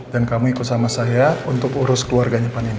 dan kamu ikut sama saya untuk urus keluarganya pak nino